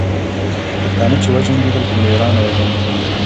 پښتانه چې وجنګېدل، په میړانه وجنګېدل.